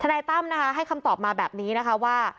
นายตั้มนะคะให้คำตอบมาแบบนี้นะคะว่า